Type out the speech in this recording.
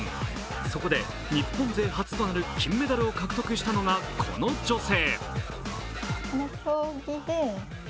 そこで日本勢初となる金メダルを獲得したのがこの女性。